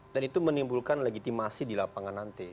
dan itu menimbulkan legitimasi di lapangan nanti